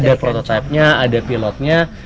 ada prototipe nya ada pilot nya